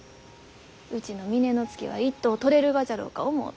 うちの峰乃月は一等を取れるがじゃろうか思うて。